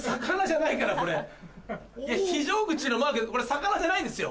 非常口のマークこれ魚じゃないですよ。